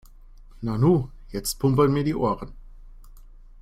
Nanu, jetzt pumpern mir die Ohren.